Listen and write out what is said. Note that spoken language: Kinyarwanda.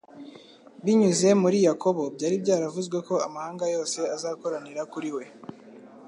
Binyuze muri Yakobo, byari byaravuzwe ko amahanga yose azakoranira kuri we;